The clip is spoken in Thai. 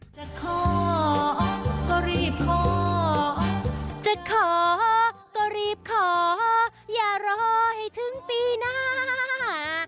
จะขอก็รีบขอจะขอก็รีบขออย่ารอให้ถึงปีหน้า